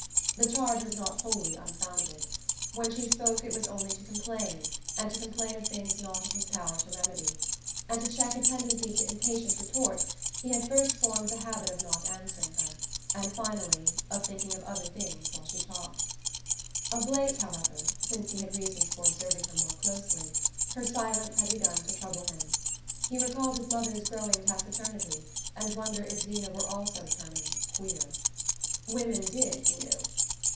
The charge was not wholly unfounded. When she spoke it was only to complain, and to complain of things not in his power to remedy; and to check a tendency to impatient retort he had first formed the habit of not answering her, and finally of thinking of other things while she talked. Of late, however, since he had reasons for observing her more closely, her silence had begun to trouble him. He recalled his mother's growing taciturnity, and wondered if Zeena were also turning "queer." Women did, he knew.